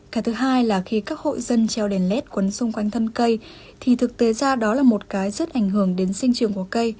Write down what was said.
cái thứ hai là khi các hộ dân treo đèn led quấn xung quanh thân cây thì thực tế ra đó là một cái rất ảnh hưởng đến sinh trường của cây